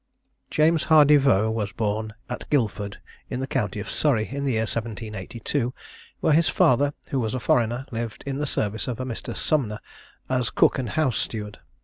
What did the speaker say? James Hardy Vaux was born at Guildford, in the county of Surrey, in the year 1782, where his father, who was a foreigner, lived in the service of a Mr. Sumner, as cook and house steward.